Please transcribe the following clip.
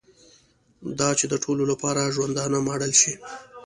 دا چې د ټولو لپاره ژوندانه ماډل شي.